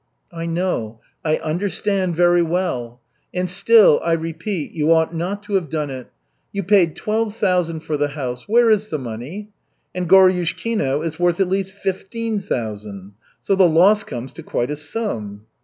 "I know, I understand very well. And still, I repeat, you ought not to have done it. You paid twelve thousand for the house where is the money? And Goryushkino is worth at least fifteen thousand. So the loss comes to quite a sum."